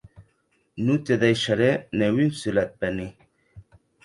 Non te deisharè ne un solet penny.